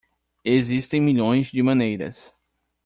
Existem milhões de maneiras.